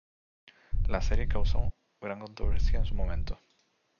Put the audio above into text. La serie causó gran controversia en su momento.